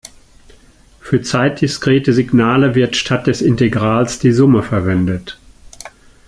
Für zeitdiskrete Signale wird statt des Integrals die Summe verwendet.